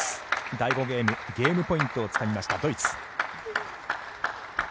第５ゲーム、ゲームポイントをつかみました、ドイツ。